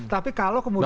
tapi kalau kemudian